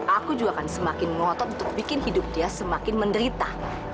aku juga akan semakin ngotot untuk bikin hidup dia semakin menderita